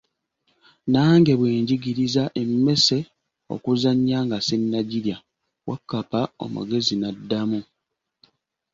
Nange bwe njigiriza emmese okuzanya nga sinagyirya, Wakkapa omugezi n'addamu.